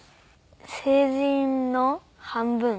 成人の半分？